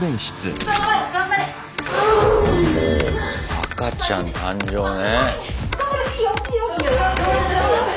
「赤ちゃん誕生」ね。